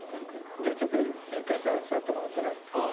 じゃあちょっと一回座ってもらってね。